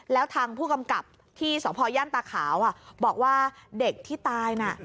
แล้วทางผู้กำกับที่สพย่านตาขาวบอกว่าเด็กที่ตายน่ะ